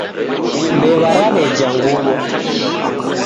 Mbewa rawqeja nguwo